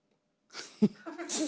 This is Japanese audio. フフフ。